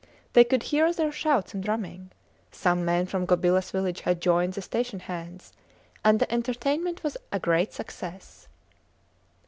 They could hear their shouts and drumming. Some men from Gobilas village had joined the station hands, and the entertainment was a great success.